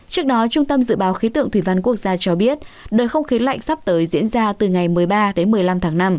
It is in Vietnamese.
trước đó trung tâm dự báo khí tượng thủy văn quốc gia cho biết đợt không khí lạnh sắp tới diễn ra từ ngày một mươi ba đến một mươi năm tháng năm